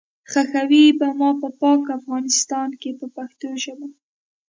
ښخوئ به ما په پاک افغانستان کې په پښتو ژبه.